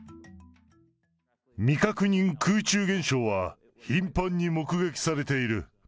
未確認空中現象は頻繁に目撃されている。